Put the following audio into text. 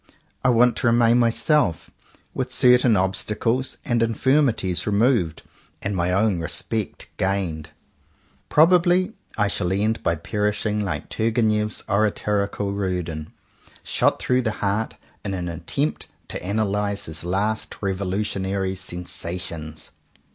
I want to remain myself, with certain obstacles and infirmities removed, and my own respect gained. Probably I shall end by perishing like Turgeniev's oratorical Rudin — shot through 103 CONFESSIONS OF TWO BROTHERS the heart in an attempt to analyze his last revolutionary sensations.